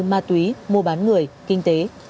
ma túy mua bán người kinh tế